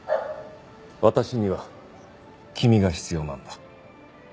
私には君が必要なんだ。